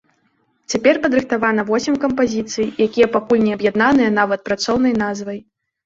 Цяпер падрыхтавана восем кампазіцый, якія пакуль не аб'яднаныя нават працоўнай назвай.